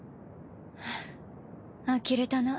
ふっあきれたな。